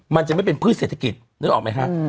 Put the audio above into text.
มันจะไม่เป็นพืชเศรษฐกิจนึกออกไหมฮะ